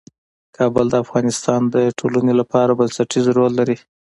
کابل د افغانستان د ټولنې لپاره بنسټيز رول لري.